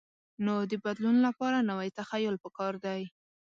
نو د بدلون لپاره نوی تخیل پکار دی.